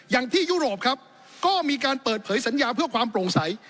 ยุโรปครับก็มีการเปิดเผยสัญญาเพื่อความโปร่งใส